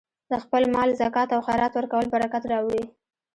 د خپل مال زکات او خیرات ورکول برکت راوړي.